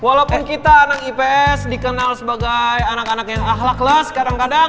walaupun kita anak ips dikenal sebagai anak anak yang ahlak lah kadang kadang